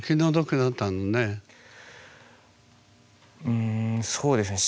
うんそうですね。